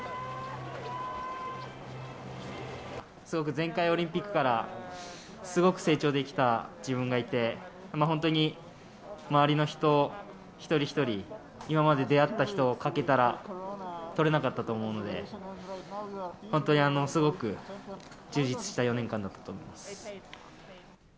すごく前回オリンピックからすごく成長できた自分がいて、本当に周りの人、一人一人、今まで出会った人欠けたら、とれなかったと思うので、本当にすごく充実した４年間だったと思います。